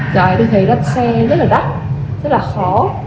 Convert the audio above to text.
tại tôi thấy đặt xe rất là đắt rất là khó